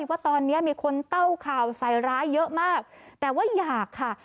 ว่าตอนนี้มีคนเต้าข่าวใส่ร้ายเยอะมากแต่ว่าอยากค่ะ